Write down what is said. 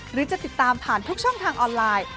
หรือจะติดตามผ่านทุกช่องทางออนไลน์